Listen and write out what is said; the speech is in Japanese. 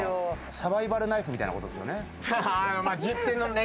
サバイバルナイフみたいなもんですよね。